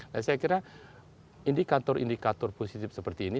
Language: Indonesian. nah saya kira indikator indikator positif seperti ini